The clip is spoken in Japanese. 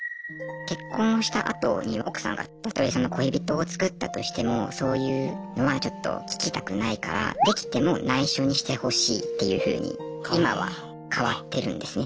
結婚したあとに奥さんがたとえ恋人を作ったとしてもそういうのはちょっと聞きたくないからっていうふうに今は変わってるんですね。